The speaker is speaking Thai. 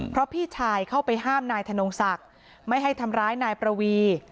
เพราะพี่ชายเข้าไปห้ามนายธนงศักดิ์ไม่ให้ทำร้ายนายประวี